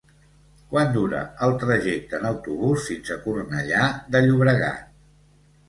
Quant dura el trajecte en autobús fins a Cornellà de Llobregat?